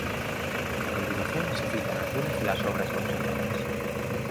A continuación se citan algunas de las obras conservadas.